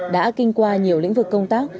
đã kinh qua nhiều lĩnh vực công tác